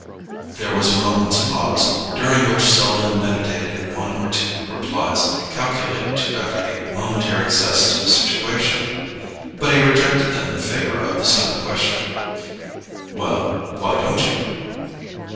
There was a moment's pause, during which Selden meditated one or two replies calculated to add a momentary zest to the situation; but he rejected them in favour of the simple question: "Well, why don't you?"